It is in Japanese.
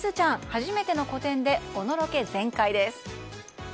初めての個展でお惚気全開です。